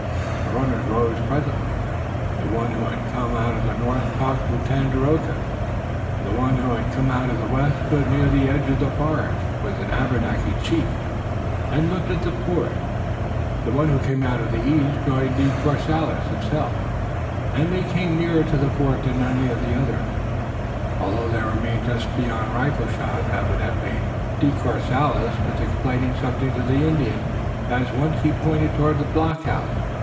The runners rose presently, and the one who had come out of the north talked with Tandakora, the one who had come out of the west stood near the edge of the forest with an Abenaki chief and looked at the fort. The one who had come out of the east joined De Courcelles himself and they came nearer to the fort than any of the others, although they remained just beyond rifle shot. Evidently De Courcelles was explaining something to the Indian as once he pointed toward the blockhouse.